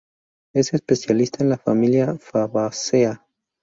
Es especialista en la familia Fabaceae.